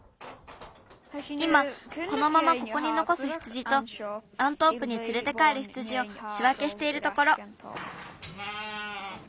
いまこのままここにのこす羊とアントープにつれてかえる羊をしわけしているところ。